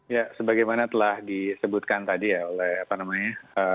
ya sebagaimana telah disebutkan tadi ya oleh apa namanya